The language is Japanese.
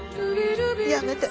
やめて。